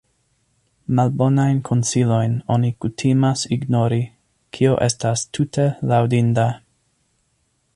Malbonajn konsilojn oni kutimas ignori, kio estas tute laŭdinda.